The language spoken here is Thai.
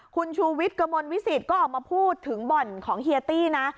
คุณชูวิทย์กระมวลวิสิตก็ออกมาพูดถึงบ่อนของเฮียตี้นะ